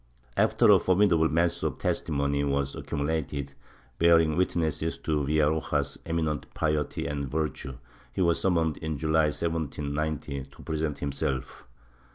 After a formidable mass of testimony was accumulated, bearing witness to Villaroja's eminent piety and virtue, he was summoned, in July 1790, to present himself.